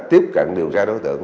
tiếp cận điều tra đối tượng